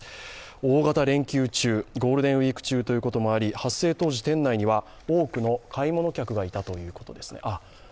大型連休中ゴールデンウイーク中ということもあり発生当時多くの買い物客がいたということです。